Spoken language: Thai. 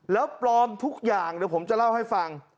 แล้วปลอมทุกอย่างเดี๋ยวผมจะเล่าให้ฟัง